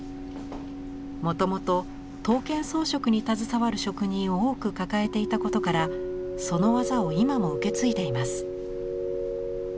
もともと刀剣装飾に携わる職人を多く抱えていたことからその技を今も受け継いでいます。